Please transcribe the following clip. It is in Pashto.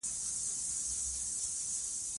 افغانستان له هندوکش ډک دی.